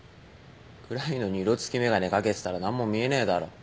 暗いのに色つき眼鏡掛けてたら何も見えねえだろ。